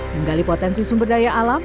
menggali potensi sumber daya alam